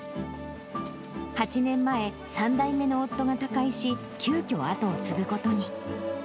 ８年前、３代目の夫が他界し、急きょ、後を継ぐことに。